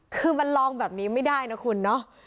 คือมันลองแบบนี้ไม่ได้นะคุณเนาะ